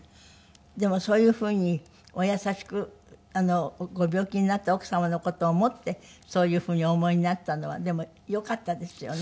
でもそういうふうにお優しくご病気になった奥様の事を思ってそういうふうにお思いになったのはでもよかったですよね。